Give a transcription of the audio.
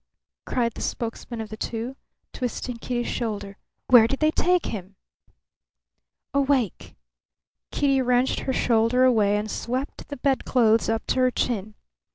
cried the spokesman of the two, twisting Kitty's shoulder. "Where did they take him?" Awake! Kitty wrenched her shoulder away and swept the bedclothes up to her chin.